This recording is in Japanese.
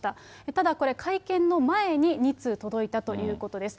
ただ、これ、会見の前に２通届いたということです。